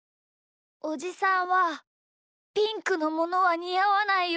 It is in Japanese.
おじさんはピンクのものはにあわないよ。